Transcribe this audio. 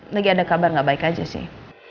lagi ada kabar gak baik aja sih